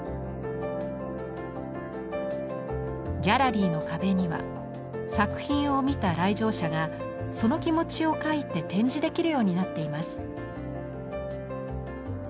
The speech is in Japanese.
ギャラリーの壁には作品を見た来場者がその気持ちを描いて展示できるようになっています。